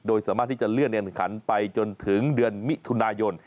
โดยสามารถที่จะเลื่อนงานขันไปจนถึงเดือนมิถุนายน